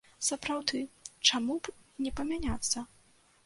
Сапраўды, чаму б не памяняцца?